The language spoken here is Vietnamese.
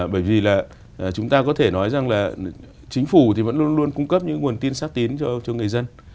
bởi vì là chúng ta có thể nói rằng là chính phủ thì vẫn luôn luôn cung cấp những nguồn tin xác tín cho người dân